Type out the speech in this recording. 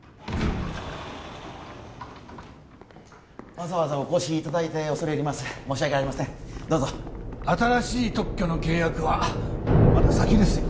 わざわざお越しいただいて恐れ入ります申し訳ありませんどうぞ・新しい特許の契約はまだ先ですよ